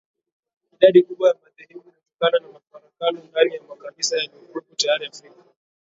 Idadi kubwa ya madhehebu imetokana na mafarakano ndani ya makanisa yaliyokuwepo tayari Afrika